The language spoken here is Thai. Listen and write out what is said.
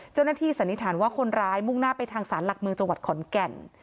สันนิษฐานว่าคนร้ายมุ่งหน้าไปทางศาลหลักเมืองจังหวัดขอนแก่น